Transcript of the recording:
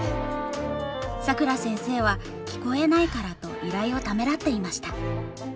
さくら先生は聞こえないからと依頼をためらっていました。